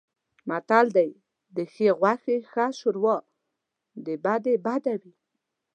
متل دی: د ښې غوښې ښه شوروا د بدې بده وي.